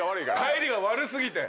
返りが悪過ぎて。